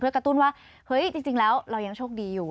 เพื่อก็กระตุ้นว่าจริงแล้วเรายังโชคดีอยู่